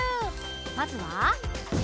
まずは